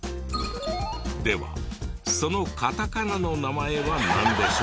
ではそのカタカナの名前はなんでしょうか？